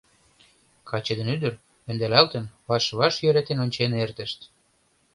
Каче ден ӱдыр, ӧндалалтын, ваш-ваш йӧратен ончен эртышт.